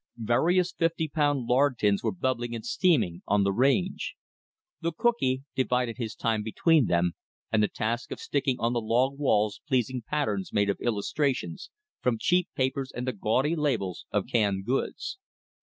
Various fifty pound lard tins were bubbling and steaming on the range. The cookee divided his time between them and the task of sticking on the log walls pleasing patterns made of illustrations from cheap papers and the gaudy labels of canned goods.